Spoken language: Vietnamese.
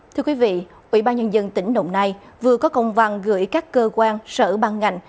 thưa quý vị ủy ban nhân dân tỉnh đồng nai vừa có công văn gửi các cơ quan sở băng ngành